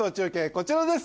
こちらです